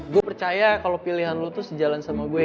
gue percaya kalau pilihan lo tuh sejalan sama gue